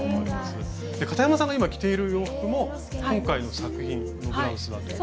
かたやまさんが今着ている洋服も今回の作品のブラウスだという。